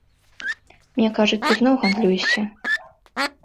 Мне кажуць, ты зноў гандлюешся.